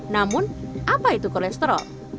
namun apa itu kolesterol